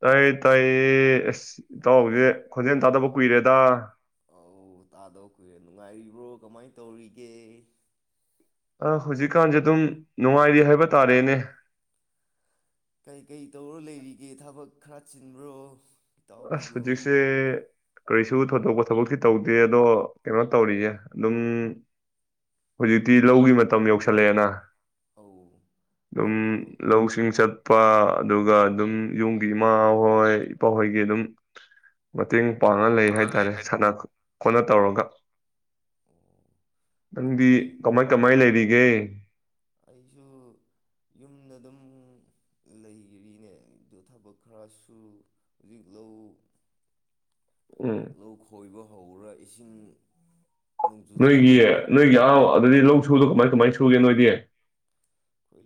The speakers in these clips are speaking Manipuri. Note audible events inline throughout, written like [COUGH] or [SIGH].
ꯇꯥꯏꯌꯦ ꯇꯥꯏꯌꯦ ꯑꯁ ꯏꯇꯥꯎ ꯁꯦ ꯅꯨꯡ- ꯈꯣꯟꯖꯦꯜ ꯇꯥꯗꯕ ꯀꯨꯏꯔꯦꯗ ꯑꯣ ꯇꯥꯗꯣꯈꯦ ꯅꯨꯡꯉꯥꯏꯔꯤꯕ꯭ꯔꯣ ꯀꯃꯥꯏꯅ ꯇꯧꯔꯤꯒꯦ ꯑ ꯍꯧꯖꯤꯛꯀꯥꯟꯁꯦ ꯑꯗꯨꯝ ꯅꯨꯡꯉꯥꯏꯔꯤ ꯍꯥꯏꯕ ꯇꯥꯔꯦꯅꯦ ꯀꯩꯀꯩ ꯇꯧꯔ ꯂꯩꯔꯤꯒꯦ ꯊꯕꯛ ꯈꯔ ꯆꯤꯟꯕ꯭ꯔꯣ꯫ ꯑꯁ ꯏꯇꯥꯎꯕꯤꯕꯨ ꯍꯧꯖꯤꯛꯁꯦ ꯀꯔꯤꯁꯨ ꯊꯣꯏꯗꯣꯛꯄ ꯊꯕꯛꯤ ꯇꯧꯗꯦ ꯑꯗꯣ ꯀꯩꯅꯣ ꯇꯧꯔꯤꯌꯦ ꯑꯗꯨꯝ ꯍꯧꯖꯤꯛꯇꯤ ꯂꯧꯒꯤ ꯃꯇꯝ ꯌꯧꯁꯜꯂꯛꯑꯦꯅ ꯑꯧ ꯑꯗꯨꯝ ꯑꯗꯣ ꯂꯧ ꯁꯤꯡꯆꯠ ꯏꯄꯥ ꯑꯗꯨꯒ ꯑꯗꯨꯝ ꯌꯨꯝꯒꯤ ꯏꯃꯥ ꯍꯣꯏ ꯏꯄꯥꯍꯣꯏ ꯒꯤ ꯑꯗꯨꯝ ꯃꯇꯦꯡ ꯄꯥꯉ ꯂꯩ ꯍꯥꯏꯇꯥꯔꯦ ꯁꯅꯥ ꯀꯣꯠꯅ ꯇꯧꯔꯒ꯫ ꯅꯪꯗꯤ ꯑꯗꯨꯗꯤ ꯀꯃꯥꯏ ꯀꯃꯥꯏ ꯂꯩꯔꯤꯒꯦ ꯌꯥꯏ ꯑꯩꯁꯨ ꯌꯨꯝꯗ ꯑꯗꯨꯝ ꯂꯩꯔꯤꯅꯦ ꯑꯗꯨ ꯊꯕꯛ ꯈꯔꯁꯨ ꯍꯧꯖꯤꯛ ꯂꯧ ꯎꯝ ꯂꯧ ꯈꯣꯏꯕ ꯍꯧꯔ ꯏꯁꯤꯡ ꯅꯣꯡꯖꯨ ꯊꯥ ꯅꯣꯏꯒꯤ ꯍꯧꯔ ꯅꯣꯏꯒꯤ ꯑꯥ ꯑꯗꯨꯗꯤ ꯂꯧ ꯗ ꯀꯃꯥꯏ ꯀꯃꯥꯏ ꯁꯨꯒꯦ ꯅꯣꯏꯗꯤ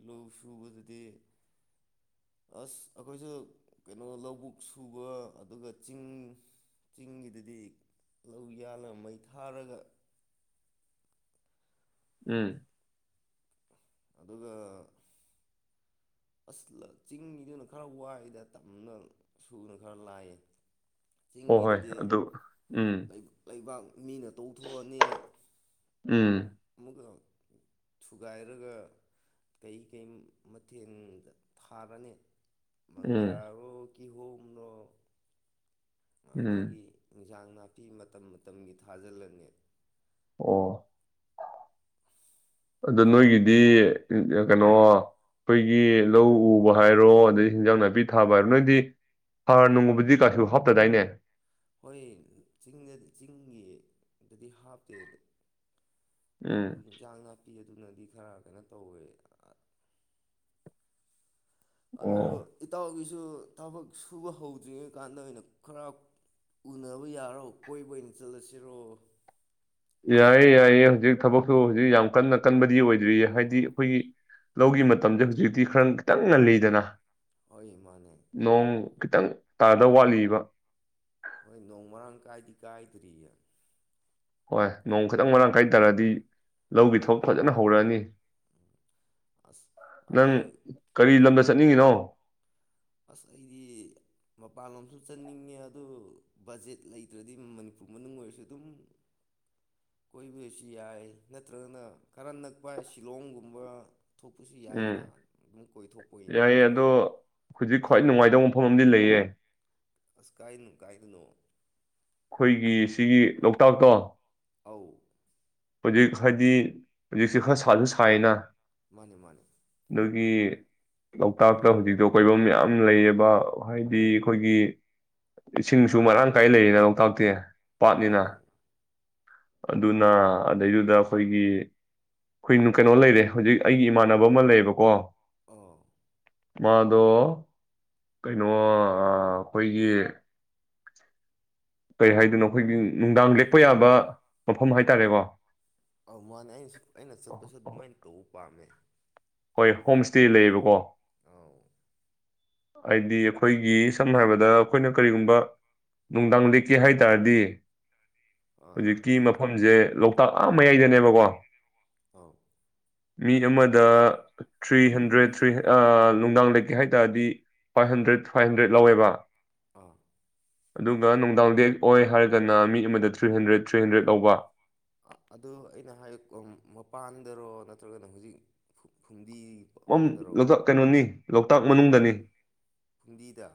ꯂꯧ ꯁꯨꯕꯗꯨꯗꯤ ꯑꯁ ꯑꯩꯈꯣꯏꯁꯨ ꯀꯩꯅꯣ ꯂꯧꯕꯨꯛ ꯁꯨꯕ ꯑꯗꯨꯒ ꯆꯤꯡ ꯆꯤꯡꯒꯤꯗꯗꯤ ꯂꯧ ꯌꯥꯟꯅ ꯃꯩ ꯊꯥꯔꯒ ꯎꯝ ꯑꯗꯨꯒ ꯑꯁ ꯆꯤꯡꯅꯤꯗꯨꯅ ꯈꯔ ꯋꯥꯏꯗ ꯇꯝꯅ ꯁꯨꯅ ꯈꯔ ꯂꯥꯏꯌꯦ ꯍꯣ ꯍꯣꯏ ꯆꯤꯡꯒꯤꯗꯨꯗꯤ ꯑꯗꯨ ꯎꯝ ꯂꯩꯕꯥꯛ ꯃꯤꯅ ꯇꯧꯊꯣꯛꯑꯅꯤ ꯎꯝ ꯑꯃꯨꯛ ꯊꯨꯒꯥꯏꯔꯒ ꯀꯩ ꯀꯩ ꯃꯊꯦꯜꯗ ꯊꯥꯔꯅꯤ ꯎꯝ ꯃꯪꯒ꯭ꯔꯥꯑꯣ ꯀꯤꯍꯣꯝꯅꯣ ꯎꯝ ꯑꯗꯒꯤ ꯏꯟꯁꯥꯡ ꯅꯥꯄꯤ ꯃꯇꯝ ꯃꯇꯝꯒꯤ ꯊꯥꯖꯤꯜꯂꯅꯤ ꯑꯣ ꯑꯗꯣ ꯅꯣꯏꯒꯤꯗꯤ ꯀꯩꯅꯣ ꯑꯩꯈꯣꯏꯒꯤ ꯂꯧ ꯎꯕ ꯍꯥꯏꯔꯣ ꯑꯗꯗꯒꯤ ꯍꯦꯟꯖꯥꯡ ꯅꯥꯄꯤ ꯊꯥꯕ ꯍꯥꯏꯔꯣ ꯅꯣꯏꯗꯤ ꯍꯥꯔ ꯅꯨꯡꯉꯨꯕꯨꯗꯤ ꯀꯥꯏꯁꯨ ꯍꯥꯞꯇꯗꯥꯏꯅꯦ ꯍꯣꯏ ꯆꯤꯡꯗꯗꯤ ꯆꯤꯡꯒꯤ ꯑꯗꯨꯗꯤ ꯍꯥꯞꯇꯦꯗ ꯑꯗꯨ ꯎꯝ ꯌꯦꯟꯁꯥꯡ ꯉꯅꯥꯄꯤ ꯑꯗꯨ ꯑꯗꯨꯅꯗꯤ ꯈꯔ ꯀꯩꯅꯣ ꯇꯧꯋꯦ ꯑꯗꯨ ꯑꯣ ꯏꯇꯥꯎꯒꯤꯁꯨ ꯊꯕꯛ ꯁꯨꯕ ꯍꯧꯗ꯭ꯔꯤꯉꯩ ꯀꯥꯟꯗ ꯑꯣꯏꯅ ꯈꯔ ꯎꯅꯕ ꯌꯥꯔꯣ ꯀꯣꯏꯕ ꯑꯣꯏꯅ ꯆꯠꯂꯁꯤꯔꯣ ꯌꯥꯏꯌꯦ ꯌꯥꯏꯌꯦ ꯍꯧꯖꯤꯛ ꯊꯕꯛꯁꯨꯨ ꯍꯧꯖꯤꯛ ꯌꯥꯝ ꯀꯟꯅ ꯀꯟꯕꯗꯤ ꯑꯣꯏꯗ꯭ꯔꯤꯌꯦ ꯍꯥꯏꯗꯤ ꯑꯩꯈꯣꯏꯒꯤ ꯂꯧꯒꯤ ꯃꯇꯝꯁꯦ ꯍꯧꯖꯤꯛꯇꯤ ꯈꯔ ꯈꯤꯇꯪ ꯉꯜꯂꯤꯗꯅ ꯍꯣꯏ ꯃꯥꯅꯦ ꯅꯣꯡ ꯈꯤꯇꯪꯪ ꯇꯥꯗꯧ ꯋꯥꯠꯂꯤꯕ ꯍꯣꯏ ꯅꯣꯡ ꯃꯔꯥꯡ ꯀꯥꯏꯗꯤ ꯀꯥꯏꯗ꯭ꯔꯤꯌꯦ ꯍꯣꯏ ꯅꯣꯡ ꯈꯤꯇꯪ ꯃꯔꯥꯡ ꯀꯥꯏ ꯇꯥꯔꯗꯤ ꯂꯧꯒꯤ ꯊꯕꯛ ꯐꯖꯅ ꯍꯧꯔꯛꯑꯅꯤ ꯑꯁ ꯅꯪ ꯑꯗꯣ ꯀꯔꯤ ꯂꯝꯗ ꯆꯠꯅꯤꯡꯉꯤꯅꯣ ꯑꯁ ꯑꯩꯗꯤ ꯃꯄꯥꯟꯂꯣꯝꯁꯨ ꯆꯟꯅꯤꯡꯉꯦ ꯑꯗꯨ ꯕꯖꯦꯠ ꯂꯩꯇ꯭ꯔꯗꯤ ꯃꯅꯤꯄꯨꯔ ꯃꯅꯨꯡ ꯑꯣꯏꯔꯁꯨ ꯑꯗꯨꯝ ꯀꯣꯏꯕꯁꯨ ꯌꯥꯏ ꯅꯠꯇ꯭ꯔꯒꯅ ꯈꯔ ꯅꯛꯄ ꯍꯥꯏ ꯁꯤꯂꯣꯡꯒꯨꯝꯕ ꯊꯣꯛꯄꯁꯨ ꯎꯝ ꯌꯥꯏꯅ ꯑꯗꯨꯝ ꯀꯣꯏꯊꯣꯛꯄꯅ ꯌꯥꯏꯌꯦ ꯑꯗꯣ ꯍꯧꯖꯤꯛ ꯈ꯭ꯋꯥꯏ ꯅꯨꯡꯉꯥꯏꯇꯕ ꯃꯐꯝ ꯑꯃꯗꯤ ꯂꯩꯌꯦ ꯑꯁ ꯀꯥꯏꯗꯅꯨ ꯀꯥꯏꯗꯅꯣ ꯑꯩꯈꯣꯏꯒꯤ ꯁꯤꯒꯤ ꯂꯣꯛꯇꯥꯛꯇꯣ ꯑꯧ ꯍꯧꯖꯤꯛ ꯍꯥꯏꯗꯤ ꯍꯧꯖꯤꯛꯁꯦ ꯈꯔ ꯁꯥꯁꯨ ꯁꯥꯏꯅ ꯃꯥꯅꯤ ꯃꯥꯅꯤ ꯑꯗꯒꯤ ꯂꯣꯛꯇꯥꯛꯇ ꯍꯧꯖꯤꯛꯇꯣ ꯀꯣꯏꯐꯝ ꯌꯥꯝ ꯂꯩꯌꯦꯕ ꯍꯥꯏꯗꯤ ꯑꯩꯈꯣꯏꯒꯤ ꯏꯁꯤꯡꯁꯨ ꯃꯔꯥꯡ ꯀꯥꯏ ꯂꯩꯌꯦꯅ ꯇꯥꯛꯇꯤ ꯄꯥꯠꯅꯤꯅ ꯑꯧ ꯑꯗꯨꯅ ꯑꯗꯨꯗꯩꯗꯨꯗ ꯑꯩꯈꯣꯏꯒꯤ ꯑꯩꯈꯣꯏ ꯀꯩꯅꯣ ꯂꯩꯔꯦ ꯍꯧꯖꯤꯛ ꯑꯩꯒꯤ ꯏꯃꯥꯟꯅꯕ ꯑꯃ ꯂꯩꯌꯦꯕꯀꯣ ꯑ ꯃꯥꯗꯣ ꯀꯩꯅꯣ ꯑꯩꯈꯣꯏꯒꯤ ꯀꯩ ꯍꯥꯏꯗꯣꯏꯅꯣ ꯑꯩꯈꯣꯏꯒꯤ ꯅꯨꯡꯗꯥꯡ ꯂꯦꯛꯄ ꯌꯥꯕ ꯃꯐꯝ ꯍꯥꯏꯇꯥꯔꯦꯀꯣ ꯑꯧ ꯃꯥꯅꯦ ꯑꯩꯅ ꯑꯩꯅ ꯆꯠꯄꯁꯨ ꯑꯗꯨꯃꯥꯏꯅ ꯇꯧ ꯋꯥꯥꯝꯃꯦ ꯍꯣꯏ ꯍꯣꯝ ꯁ꯭ꯇꯦ ꯂꯩꯌꯦꯕꯀꯣ ꯑ ꯍꯥꯏꯗꯤ ꯑꯩꯈꯣꯏꯒꯤ ꯁꯝꯅ ꯍꯥꯏꯔꯕꯗ ꯑꯩꯈꯣꯏꯅ ꯀꯔꯤꯒꯨꯝꯕ ꯅꯨꯡꯗꯥꯡ ꯂꯦꯛꯀꯦ ꯍꯥꯏ ꯇꯥꯔꯗꯤ ꯑꯥ ꯍꯧꯖꯤ ꯀ ꯃꯐꯝ ꯁꯦ ꯂꯣꯛꯇꯥꯛ ꯑꯥ ꯃꯌꯥꯏꯗꯅꯦꯕꯀꯣ ꯑꯥꯎ ꯃꯤ ꯑꯃꯗ ꯊ꯭ꯔꯤ ꯍꯟꯗ꯭ꯔꯦꯠ ꯊ꯭ꯔꯤ ꯅꯨꯡꯗꯥꯡ ꯂꯩꯀꯦ ꯍꯥꯏ ꯇꯥꯔꯗꯤ ꯐꯥꯏꯚ ꯍꯟꯗ꯭ꯔꯦꯠ ꯐꯥꯏꯚ ꯍꯟꯗ꯭ꯔꯦꯠ ꯂꯧꯋꯦꯕ ꯑꯥ ꯑꯗꯨꯒ ꯅꯨꯡꯗꯥꯡꯗꯦꯛ ꯑꯣꯏ ꯍꯥꯏꯔꯒꯅ ꯃꯤ ꯑꯃꯗ ꯊ꯭ꯔꯤ ꯍꯟꯗ꯭ꯔꯦꯗ ꯊ꯭ꯔꯤ ꯍꯟꯗ꯭ꯔꯦꯗ ꯂꯧꯕ ꯑꯗꯨ ꯑꯩꯅ ꯍꯥꯏ ꯃꯄꯥꯟꯗꯔꯣ ꯅꯠꯇ꯭ꯔꯒꯅ ꯍꯧꯖꯤꯛ ꯐꯨꯝꯗꯤꯗꯔꯣ ꯣꯛꯇꯥꯛ ꯀꯩꯅꯣꯅꯤ ꯂꯣꯛꯇꯥꯛ ꯃꯅꯨꯡꯗꯅꯤ ꯐꯨꯡꯗꯤꯗ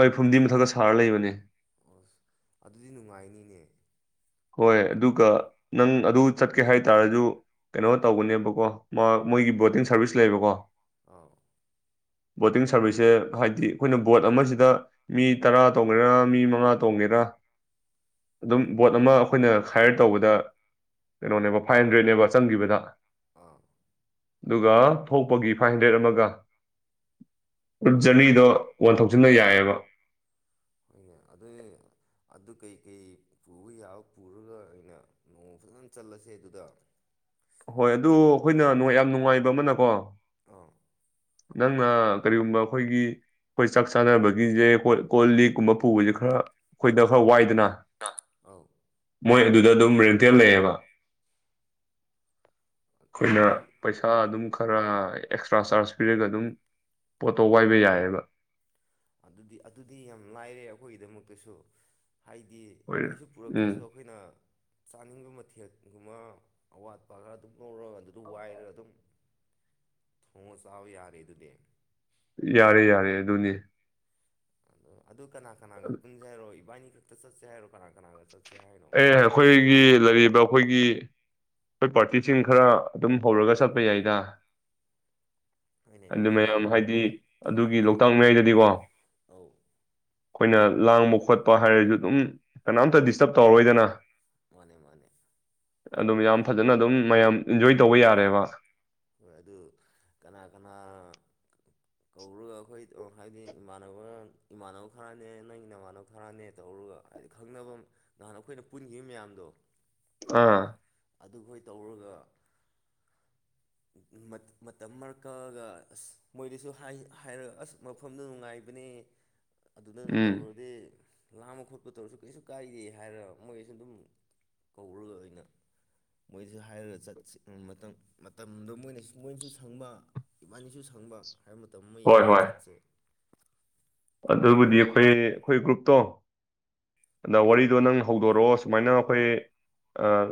ꯍꯣꯏ ꯐꯨꯝꯗꯤ ꯃꯊꯛꯇ ꯁꯥꯔ ꯂꯩꯕꯅꯦ ꯑꯁ ꯑꯗꯨꯗꯤ ꯅꯨꯡꯉꯥꯏꯅꯤꯅꯦ ꯍꯣꯏ ꯑꯗꯨꯒ ꯅꯪ ꯑꯗꯨ ꯆꯠꯀꯦ ꯍꯥꯏꯇꯥꯔꯁꯨ ꯀꯩꯅꯣ ꯇꯧꯧꯕꯅꯦꯕꯀꯣ ꯃꯥ ꯃꯣꯏꯒꯤ ꯕꯣꯇꯤꯡ ꯁꯥꯔꯚꯤꯁ ꯂꯩꯕꯀꯣ ꯑ ꯕꯣꯇꯤꯡ ꯁꯥꯔꯚꯤꯁꯁꯦ ꯍꯥꯏꯕꯗꯤ ꯑꯩꯈꯣꯏꯅ ꯕꯣꯠ ꯑꯃꯁꯤꯗ ꯃꯤ ꯇꯔꯥ ꯇꯣꯡꯒꯦꯔꯥ ꯃꯤ ꯃꯉꯥ ꯇꯣꯡꯒꯦꯔꯥ ꯑꯗꯨꯝ ꯕꯣꯠ ꯑꯃ ꯑꯩꯈꯣꯏꯅ ꯍꯥꯏꯌꯔ ꯇꯧꯕꯗ ꯀꯩꯅꯣꯅꯦꯕ ꯐꯥꯏꯚ ꯍꯟꯗ꯭ꯔꯦꯗꯅꯦꯕ ꯆꯪꯈꯤꯕꯗ ꯑꯣ ꯑꯗꯨꯒ ꯊꯣꯛꯄꯒꯤ ꯐꯥꯏꯚ ꯍꯟꯗ꯭ꯔꯦꯠ ꯑꯃꯒ ꯔꯨꯠ ꯑꯁ ꯖꯔꯅꯤꯗꯣ ꯋꯥꯟꯊꯧꯁꯤꯟꯟꯅ ꯌꯥꯏꯑꯕ ꯑ ꯍꯣꯏꯅꯦ ꯑꯗꯨ ꯑꯗꯨ ꯀꯩꯀꯩ ꯄꯨꯕ ꯌꯥꯕ ꯄꯨꯔꯒ ꯑꯩꯅ ꯅꯣꯡꯃ ꯐꯖꯅ ꯆꯠꯂꯁꯦ ꯑꯗꯨꯗ ꯍꯣꯏ ꯑꯗꯨ ꯑꯩꯈꯣꯏꯅ ꯌꯥꯝ ꯅꯨꯡꯉꯥꯏꯕ ꯑꯃꯅꯀꯣ ꯑꯥ ꯅꯪꯅ ꯀꯔꯤꯒꯨꯝꯕ ꯑꯩꯈꯣꯏꯒꯤ ꯑꯩꯈꯣꯏ ꯆꯥꯛ ꯆꯥꯅꯕꯒꯤꯁꯦ ꯀꯣꯜ ꯂꯤꯛꯀꯨꯝꯕ ꯄꯨꯕꯁꯦ ꯈꯔ ꯑꯩꯈꯣꯏꯗ ꯈꯔ ꯋꯥꯏꯗꯅ ꯑ ꯃꯣꯏ ꯑꯗꯨꯗ ꯑꯗꯨꯝ ꯔꯦꯡꯊꯦꯜ ꯂꯩꯑꯦꯕ ꯑꯩꯈꯣꯏꯅ ꯑꯗꯨꯗꯤ ꯄꯩꯁꯥ ꯑꯗꯨꯝ ꯈꯔ ꯑꯦꯛꯁꯇ꯭ꯔꯥ ꯆꯔꯖ ꯄꯤꯔꯒ ꯑꯗꯨꯝ ꯄꯣꯠꯇꯣ ꯋꯥꯏꯕ ꯌꯥꯏꯑꯕ ꯑꯗꯨꯗꯤ ꯑꯗꯨꯗꯤ ꯌꯥꯝ ꯂꯥꯏꯔꯦ ꯑꯩꯈꯣꯏꯒꯤꯗꯃꯛꯇꯁꯨ ꯍꯥꯏꯗꯤ ꯑꯣꯏꯅ ꯀꯩꯁꯨ ꯎꯝ ꯄꯨꯔꯛꯇ꯭ꯔꯁꯨ ꯑꯩꯈꯣꯏꯅ ꯆꯥꯅꯤꯡꯕ ꯃꯊꯦꯜꯒꯨꯝꯕ ꯑꯋꯥꯠꯄ ꯈꯔ ꯑꯗꯨꯝ ꯂꯧꯔꯒ ꯑꯗꯨꯗ ꯋꯥꯏꯔꯒ ꯑꯗꯨꯝ ꯊꯣꯡꯉ ꯆꯥꯕ ꯌꯥꯔꯦ ꯑꯗꯨꯗꯤ ꯌꯥꯔꯦ ꯌꯥꯔꯦ ꯑꯗꯨꯅꯤ ꯑꯗꯣ ꯑꯗꯨ ꯀꯅꯥ ꯀꯅꯥꯒ ꯄꯨꯟꯖꯔꯣꯏ ꯏꯕꯥꯅꯤ ꯁꯠꯁꯌꯥ ꯍꯥꯏꯔꯣ ꯀꯅꯥ ꯀꯅꯥ ꯁꯠ꯭ꯌꯥ ꯑꯦ ꯑꯩꯈꯣꯏꯒꯤ ꯂꯩꯔꯤꯕ ꯑꯩꯈꯣꯏꯒꯤ ꯑꯩꯈꯣꯏ ꯄꯥꯔꯇꯤꯁꯤꯡ ꯈꯔ ꯑꯗꯨꯝ ꯍꯧꯔꯒ ꯆꯠꯄ ꯌꯥꯏꯗ ꯍꯣꯏꯅꯦ ꯑꯗꯨ ꯃꯤꯗꯣ ꯃꯌꯥꯝ ꯍꯥꯏꯗꯤ ꯑꯗꯨꯒꯤ ꯇꯪ ꯉꯩꯗꯗꯤꯀꯣ ꯑꯧ ꯑꯩꯈꯣꯏꯅ ꯂꯥꯡꯕ ꯈꯣꯠꯄ ꯍꯥꯏꯔꯁꯨ ꯑꯗꯨꯝ ꯀꯅꯥꯝꯇ ꯗꯤꯁꯇꯔꯕ ꯇꯧꯔꯣꯏꯗꯅ ꯃꯥꯅꯦ ꯃꯥꯅꯦ ꯑꯗꯨꯝ ꯌꯥꯝ ꯐꯖꯅ ꯑꯗꯨꯝ ꯃꯌꯥꯝ ꯏꯟꯖꯣꯏ ꯇꯧꯕ ꯌꯥꯔꯦꯕ ꯍꯣꯏ ꯑꯗꯨ ꯀꯅꯥ ꯀꯅꯥ ꯀꯧꯔꯒ ꯑꯩꯈꯣꯏ ꯍꯥꯏꯗꯤ ꯏꯃꯥꯟꯅꯕ ꯏꯃꯥꯟꯅꯕ ꯈꯔꯅꯦ ꯅꯪ ꯏ ꯅꯃꯥꯟꯅꯕ ꯈꯔꯅꯦ ꯇꯧꯔꯒ ꯍꯥꯏꯗꯤ ꯈꯪꯅꯕ ꯅꯍꯥꯟ ꯑꯩꯈꯣꯏꯅ ꯄꯨꯟꯈꯤꯕ ꯃꯌꯥꯝꯗꯣ ꯑꯥ ꯑꯗꯨꯈꯣꯏ ꯇꯧꯔꯒ ꯃꯇꯝ ꯃꯔꯔ ꯀꯛꯑꯒ ꯑꯁ ꯃꯣꯏꯗꯁꯨ ꯍꯥꯏꯔꯒ ꯑꯁ ꯃꯐꯝꯗ ꯅꯨꯡꯉꯥꯏꯕꯅꯦ ꯑꯗꯨꯅ ꯎꯝ ꯇꯧꯔꯨꯔꯗꯤ ꯂꯥꯝꯕ ꯈꯣꯠꯄ ꯇꯧꯔꯁꯨ ꯀꯩꯁꯨ ꯀꯥꯏꯗꯦ ꯍꯥꯏꯔꯒ ꯃꯣꯏꯁꯨ ꯑꯗꯨꯝ ꯀꯧꯔꯒ ꯑꯣꯏꯅ ꯃꯣꯏꯗꯁꯨ ꯍꯥꯏꯔꯒ ꯆꯠꯁꯤ ꯃꯇꯝꯗꯣ ꯃꯣꯏꯅꯁꯨ ꯃꯣꯏꯅꯁꯨ ꯁꯪꯕ ꯏꯕꯥꯅꯤꯁꯨ ꯁꯪꯕ ꯍꯥꯏꯕ ꯃꯇꯝ ꯑꯃ ꯍꯣꯏ ꯌꯦꯡꯉ ꯍꯣꯏ ꯆꯠꯁꯦ ꯑꯗꯨꯕꯨꯗꯤ ꯑꯩꯈꯣꯏ ꯑꯩꯈꯣꯏ ꯒ꯭ꯔꯨꯞꯇꯣ ꯑꯗ ꯋꯥꯔꯤ ꯑꯗꯣ ꯅꯪ ꯑꯧ ꯍꯧꯗꯣꯔꯛꯑꯣ ꯁꯨꯃꯥꯏꯅ ꯑꯩꯈꯣꯏ ꯑꯥ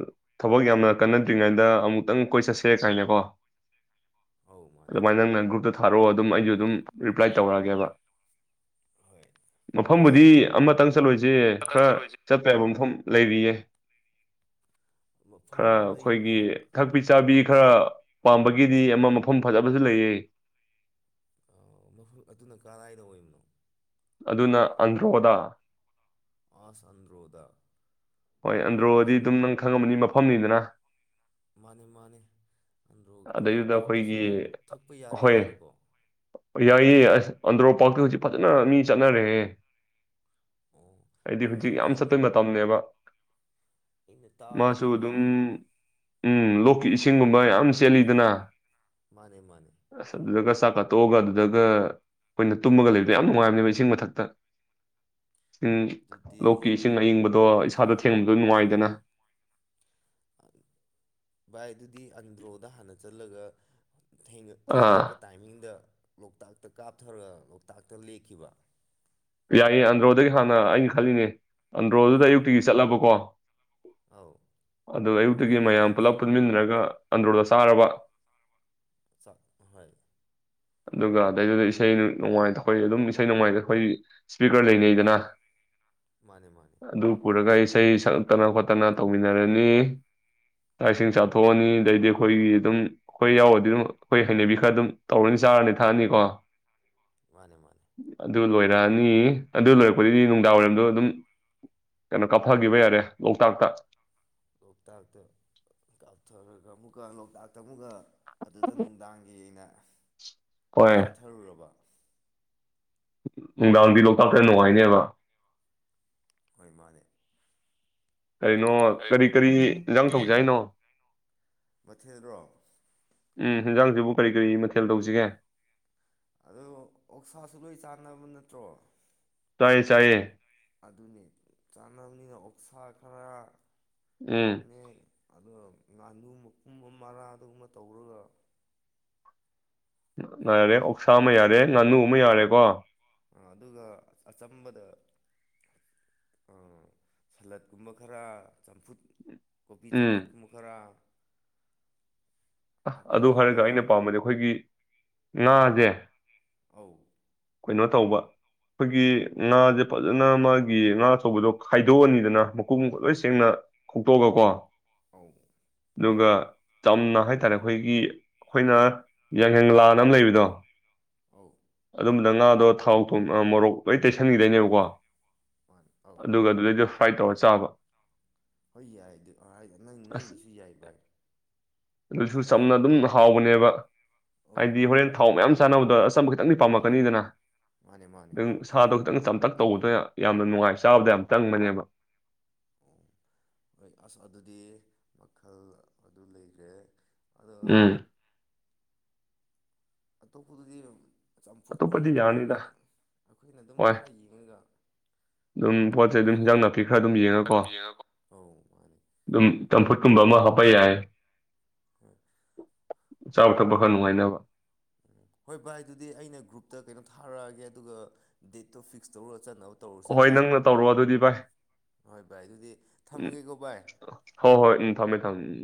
ꯊꯕꯛ ꯌꯥꯝꯅ ꯀꯟꯅꯗ꯭ꯔꯤꯉꯩꯗ ꯑꯃꯨꯛꯇꯪ ꯀꯣꯏ ꯆꯠꯁꯦ ꯀꯥꯏꯅꯀꯣ ꯑꯧ ꯃꯥꯅꯦ ꯑꯗꯨꯅ ꯅꯪ ꯊꯥꯔꯛꯑꯣ ꯑꯗꯨꯝ ꯑꯩꯁꯨ ꯑꯗꯨꯝ ꯔꯤꯄ꯭ꯂꯥꯏ ꯇꯧꯔꯛꯑꯒꯦꯕ ꯍꯣꯏ ꯑꯁ ꯃꯐꯝꯕꯨꯗꯤ ꯑꯃꯇꯪ ꯆꯠꯂꯣꯏꯁꯦ ꯈꯔ ꯆꯠꯇꯄ ꯌꯥꯕ ꯃꯐꯝ ꯂꯩꯔꯤꯌꯦ ꯃꯐꯝ ꯈꯔ ꯑꯩꯈꯣꯏꯒꯤ ꯂꯩꯕꯁꯦ ꯊꯛꯄꯤ ꯆꯥꯕꯤ ꯈꯔ ꯄꯥꯝꯕꯒꯤꯗꯤ ꯑꯃ ꯃꯐꯝ ꯐꯖꯕꯁꯨ ꯂꯩꯌꯦ ꯃꯐꯝ ꯑꯗꯨꯅ ꯀꯔꯥꯏꯗ ꯑꯣꯏꯕꯅꯣ ꯑꯗꯨꯅ ꯑꯟꯗ꯭ꯔꯣꯗ ꯑꯁꯟ꯭ꯔꯣꯗ ꯍꯣꯏ ꯑꯟꯗ꯭ꯔꯣꯗꯤ ꯑꯗꯨꯝ ꯅꯪ ꯈꯪꯉꯝꯃꯅꯤ ꯃꯐꯝꯅꯤꯗꯅ [UNINTELLIGIBLE] ꯃꯥꯅꯤ ꯃꯥꯅꯤ ꯑꯗꯨꯗꯩꯗꯨꯗ ꯑꯩꯈꯣꯏꯒꯤ ꯊꯛꯄ ꯍꯣꯏ ꯌꯥꯔꯤꯖꯥꯠꯂꯣꯀꯣ ꯌꯥꯏꯌꯦ ꯑꯁ ꯑꯟꯗ꯭ꯔꯣ ꯄꯇ ꯍꯧꯖꯤꯛ ꯐꯖꯅ ꯃꯤ ꯆꯠꯅꯔꯦ ꯑꯣ ꯑꯩꯗꯤ ꯍꯧꯖꯤꯛ ꯅꯍꯥꯟ ꯌꯥꯝ ꯑꯩꯅ ꯆꯠꯇꯄꯩ ꯃꯇꯝꯅꯦꯕ ꯑꯩꯅ ꯇꯥꯕꯗꯤ ꯃꯥꯁꯨꯨ ꯑꯗꯨꯝ ꯃꯣꯏꯒꯤꯗ ꯎꯝ ꯂꯣꯛ ꯏꯁꯤꯡꯒꯨꯝꯕ ꯌꯥꯝ ꯆꯂꯤꯗꯅ ꯃꯥꯅꯦ ꯃꯥꯅꯦ ꯆꯥꯛ ꯀꯥꯊꯣꯛꯑꯒ ꯑꯗꯨꯗꯒ ꯑꯩꯈꯣꯏꯅ ꯇꯨꯝꯃꯒ ꯂꯩꯕꯗꯣ ꯌꯥꯝ ꯅꯨꯡꯉꯥꯏꯕꯅꯦꯕ ꯏꯁꯤꯡ ꯃꯊꯛꯇ ꯎ ꯑꯗꯨꯗꯤ ꯂꯣꯛꯀꯤ ꯏꯁꯤꯡ ꯑꯏꯤꯡꯕꯗꯣ ꯏꯁꯥꯗ ꯊꯦꯡꯗꯣ ꯅꯨꯡꯉꯥꯏꯗꯅ ꯚꯥꯏ ꯑꯗꯨꯗꯤ ꯑꯟꯗ꯭ꯔꯣꯗ ꯍꯥꯟꯅ ꯆꯠꯂꯒ ꯑꯥ ꯊꯦꯡꯉꯛꯄ ꯇꯥꯏꯃꯤꯡꯗ ꯂꯣꯛꯇꯥꯛꯇ ꯀꯥꯞꯊꯔꯒ ꯂꯣꯛꯇꯥꯛꯇ ꯂꯦꯛꯈꯤꯕ ꯌꯥꯏꯌꯦ ꯑꯟꯗ꯭ꯔꯣꯗꯒꯤ ꯍꯥꯟꯅ ꯑꯩꯅ ꯈꯜꯂꯤꯅꯦ ꯑꯟꯗ꯭ꯔꯣꯗꯨꯗ ꯑꯧ ꯑꯌꯨꯛꯇꯤꯒꯤ ꯆꯠꯂꯕꯀꯣ ꯑꯧ ꯑꯗꯨ ꯑꯗꯣ ꯑꯌꯨꯛꯇꯒꯤ ꯃꯌꯥꯝ ꯅꯨꯡꯊꯤꯟꯗ ꯄꯨꯂꯞ ꯄꯨꯟꯃꯤꯟꯅꯔꯒ ꯑꯟꯗ꯭ꯔꯣꯗ ꯁꯥꯔꯕ ꯍꯣꯏ ꯑꯗꯨꯒ ꯑꯗꯩꯗꯨꯗ ꯏꯁꯩ ꯅꯣꯡꯃꯥꯏꯇ ꯑꯩꯈꯣꯏ ꯑꯗꯨꯝ ꯏꯁꯩ ꯅꯣꯡꯃꯥꯏꯇ ꯑꯩꯈꯣꯏ ꯏꯁꯄꯤꯀꯔ ꯂꯩꯅꯩꯗꯅ ꯃꯥꯅꯦ ꯃꯥꯅꯦ ꯑꯗꯨ ꯄꯨꯔꯒ ꯑꯩꯁ ꯏꯁꯩ ꯁꯛꯂꯛꯇꯅ ꯈꯣꯠꯇꯅ ꯇꯧꯃꯤꯟꯅꯔꯅꯤ ꯂꯥꯛ ꯏꯁꯤꯡ ꯆꯥꯊꯣꯛꯑꯅꯤ ꯑꯗꯩꯗꯤ ꯑꯩꯈꯣꯏꯒꯤ ꯑꯗꯨꯝ ꯑꯩꯈꯣꯏ ꯌꯥꯎꯔꯗꯤ ꯑꯗꯨꯝ ꯑꯩꯈꯣꯏ ꯍꯩꯅꯕꯤ ꯈꯔ ꯑꯗꯨꯝ ꯇꯧꯔꯅꯤ ꯆꯥꯔꯅꯤ ꯊꯛꯑꯅꯤꯀꯣ ꯃꯥꯅꯦ ꯃꯥꯅꯦ ꯑꯗꯨ ꯏꯔꯥꯅꯤ ꯑꯗꯨ ꯂꯣꯏꯔꯛꯄꯗꯒꯤꯗꯤ ꯅꯨꯡꯗꯥꯡ ꯋꯥꯏꯔꯝꯗꯣ ꯑꯗꯨꯝ ꯀꯩꯅꯣ ꯀꯥꯞꯐꯈꯤꯕ ꯌꯥꯔꯦ ꯂꯣꯛꯇꯥꯛꯇ ꯂꯣꯛꯇꯕꯇ ꯗꯥꯛꯇꯔꯒ ꯃꯨꯒ ꯂꯣꯛꯇꯥꯛꯇ ꯃꯨꯒ ꯑꯗꯨꯗ ꯅꯨꯡꯗꯥꯡꯒꯤ ꯑꯣꯏꯅ ꯍꯣꯏ ꯁꯤꯦꯊꯔꯨꯔꯕ ꯅꯨꯡꯗꯥꯡꯗꯤ ꯂꯣꯛꯇꯥꯛꯇ ꯅꯨꯡꯉꯥꯏꯅꯦꯕ ꯍꯣꯏ ꯃꯥꯅꯦꯦ ꯀꯩꯅꯣ ꯀꯔꯤ ꯀꯔꯤ ꯏꯟꯖꯥꯡ ꯊꯧꯖ ꯍꯥꯏꯅꯣ ꯃꯊꯦꯜꯔꯣ ꯎꯝ ꯍꯤꯟꯖꯥꯡꯁꯤꯕꯨ ꯀꯔꯤ ꯀꯔꯤ ꯃꯊꯦꯜ ꯇꯧꯁꯤꯒꯦ ꯑꯗꯣ ꯑꯣꯛꯁꯥꯁꯨ ꯂꯣꯏ ꯆꯥꯟꯅꯕ ꯅꯠꯇ꯭ꯔꯣ ꯇꯥꯏꯌꯦ ꯆꯥꯏꯌꯦ ꯑꯗꯨꯅꯦ ꯆꯥꯅꯕꯅꯤꯅ ꯑꯣꯛꯁꯥ ꯈꯔ ꯑꯝ ꯑꯗꯨꯒ ꯉꯥꯗꯨ ꯃ ꯀꯨꯝꯕ ꯃꯔꯥ ꯑꯗꯨꯒꯨꯝꯕ ꯇꯧꯔꯒ ꯌꯥꯔꯦ ꯑꯣꯛꯁꯥ ꯑꯃ ꯌꯥꯔꯦ ꯉꯥꯅꯨ ꯑꯃ ꯌꯥꯔꯦꯀꯣ ꯑꯗꯨꯒ ꯑꯆꯝꯕꯗ ꯁꯂꯠꯀꯨꯝꯕ ꯈꯔ ꯆꯝꯐꯨꯠ ꯀꯣꯕꯤ ꯎꯝ ꯆꯝꯐꯨꯠꯀꯨꯝꯕ ꯈꯔ ꯑ ꯑꯗꯨ ꯍꯥꯏꯔꯒ ꯑꯗꯒꯤꯗꯤ ꯑꯩꯅ ꯄꯥꯝꯕꯗꯤ ꯑꯩꯈꯣꯏꯒꯤ ꯃꯥꯖꯦ ꯑꯧ ꯀꯩꯅꯣ ꯇꯧꯕ ꯑꯈꯣꯏꯒꯤ ꯉꯥꯁꯦ ꯐꯖꯅ ꯃꯥꯒꯤ ꯉꯥ ꯑꯆꯧꯕꯗꯣ ꯈꯥꯏꯗꯣꯛꯑꯅꯤꯗꯅ ꯃꯀꯨ ꯂꯣꯏ ꯁꯦꯡꯅ ꯈꯣꯛꯇꯣꯛꯑꯒꯀꯣ ꯑꯧ ꯑꯗꯨꯒ ꯆꯝꯅ ꯇꯥꯔꯦ ꯑꯈꯣꯏꯒꯤ ꯑꯈꯣꯏꯅ ꯌꯥꯐꯉꯪꯂꯥꯅ ꯑꯃ ꯂꯩꯕꯗꯣ ꯑꯧ ꯑꯗꯨꯝꯕꯗ ꯉꯥꯗꯣ ꯊꯥꯎ ꯊꯨꯝ ꯃꯣꯔꯣꯛ ꯂꯣꯏ ꯇꯩꯁꯟꯒꯤꯗꯣꯏꯅꯦꯕꯀꯣ ꯃꯥꯅꯤ ꯑꯧ ꯑꯗꯨꯒ ꯑꯗꯨꯗꯩꯗ ꯐ꯭ꯔꯥꯏ ꯇꯧꯔ ꯆꯥꯕ ꯍꯣꯏ ꯌꯥꯏ ꯑꯗꯨ ꯅꯪ ꯑꯁ ꯅꯪꯗꯨꯁꯨ ꯌꯥꯏ ꯕꯥꯏ ꯑꯗꯨꯁꯨ ꯆꯝꯅ ꯑꯗꯨꯝ ꯍꯥꯎꯕꯅꯦꯕ ꯑꯧ ꯍꯥꯏꯗꯤ ꯍꯣꯔꯦꯟ ꯊꯥꯎ ꯃꯌꯥꯝ ꯗ ꯑꯆꯝꯕ ꯈꯤꯇꯪꯗꯤ ꯄꯥꯝꯃꯛꯛꯀꯅꯤꯗꯅ ꯃꯥꯅꯦ ꯃꯥꯅꯦ ꯅꯪ ꯁꯥꯗꯣ ꯈꯤꯇꯪ ꯆꯝꯊꯛ ꯇꯧꯕꯗ ꯌꯥꯝꯅ ꯅꯨꯡꯉꯥꯏ ꯆꯥꯕꯗ ꯌꯥꯝ ꯆꯪꯕꯅꯦꯕ ꯎ ꯍꯣꯏ ꯑꯁ ꯑꯗꯨꯗꯤ ꯃꯈꯜ ꯑꯗꯨ ꯂꯩꯒ꯭ꯔꯦ ꯎꯝ ꯑꯇꯣꯞꯄꯗꯗꯤ ꯑꯇꯣꯞꯄꯗꯤ ꯆꯝꯐꯨꯠꯀꯨꯝꯕꯗꯨꯗꯤ ꯌꯥꯔꯅꯤꯗ ꯑꯈꯣꯏꯅ ꯑꯈꯣꯏꯅ ꯑꯗꯨꯝ ꯍꯣꯏ ꯈꯔ ꯌꯦꯡꯉꯒ ꯑꯗꯨꯝ ꯄꯣꯠꯆꯩ ꯑꯗꯨꯝ ꯍꯤꯟꯖꯥꯡ ꯅꯥꯄꯤ ꯤꯈꯔ ꯑꯗꯨꯝ ꯌꯦꯡꯉꯀꯣ ꯑꯧ ꯃꯥꯅꯦ ꯑꯗꯨꯝ ꯆꯝꯐꯨꯠ ꯗꯨꯝꯕ ꯑꯃ ꯍꯥꯞꯄ ꯌꯥꯏ ꯆꯥꯕ ꯊꯛꯄ ꯈꯔ ꯅꯨꯡꯉꯥꯏꯅꯕ ꯚꯥꯏ ꯑꯗꯨꯗꯤ ꯑꯩꯅ ꯒ꯭ꯔꯨꯞꯇ ꯀꯩꯅꯣ ꯊꯥꯔꯛꯑꯒꯦ ꯑꯗꯨꯒ ꯗꯦꯠꯇꯣ ꯐꯤꯛꯁ ꯇꯧꯔꯒ ꯆꯠꯅꯕ ꯇꯧꯔꯁꯦ ꯑꯍꯣꯏ ꯚꯥꯏ ꯅꯪꯅ ꯇꯧꯔꯣꯑꯣ ꯑꯗꯨꯗꯤ ꯚꯥꯏ ꯍꯣꯏ ꯚꯥꯏ ꯑꯗꯨꯗꯤ ꯎꯝ ꯊꯝꯃꯒꯦꯀꯣ ꯚꯥꯏ ꯍꯣꯏ ꯍꯣꯏ ꯎꯝ ꯊꯝꯃꯦ ꯊꯝꯃꯦ ꯎꯝ